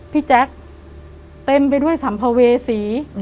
พี่แจ๊คเต็มไปด้วยสัมภเวศีย์